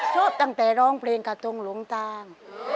ชอบตั้งแต่ร้องเพลงกระทงหลวงตาง